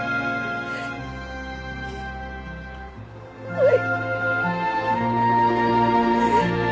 はい。